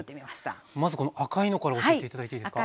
まずこの赤いのから教えて頂いていいですか？